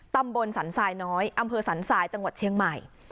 ตำบลสันทรายน้อยอำเภอสันทรายจังหวัดเชียงใหม่